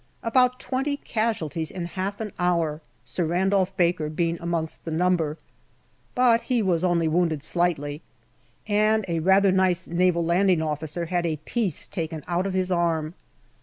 About twenty casualties in half an hour, Sir Randolph Baker being amongst the number, but he was only wounded slightly ; and a rather nice Naval Landing Officer had a piece taken out of his arm.